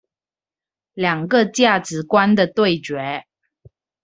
兩個價值觀的對決